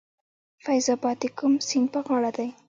فیض اباد د کوم سیند په غاړه دی؟